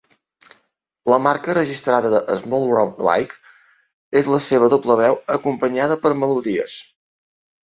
La marca registrada de Small Brown Bike és la seva "doble veu" acompanyada per melodies.